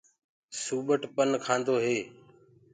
سوپٽ پن کآندو هي۔